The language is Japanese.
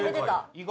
意外！